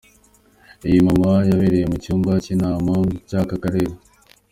Iyi nama yabereye mu cyumba cy’inama cy’aka karere.